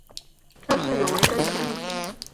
这是有违的一个例子。